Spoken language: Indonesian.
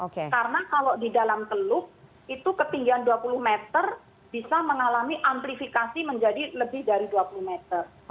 karena kalau di dalam teluk itu ketinggian dua puluh meter bisa mengalami amplifikasi menjadi lebih dari dua puluh meter